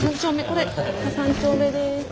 これ３丁目です。